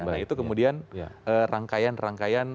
nah itu kemudian rangkaian rangkaian